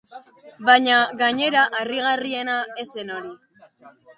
Baina, gainera, harrigarriena ez zen hori.